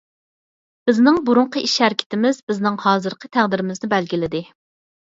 بىزنىڭ بۇرۇنقى ئىش-ھەرىكىتىمىز بىزنىڭ ھازىرقى تەقدىرىمىزنى بەلگىلىدى.